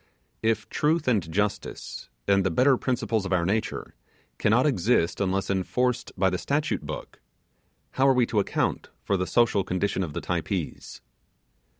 If truth and justice, and the better principles of our nature, cannot exist unless enforced by the statute book, how are we to account for the social condition of the Typees?